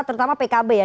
terutama pkb ya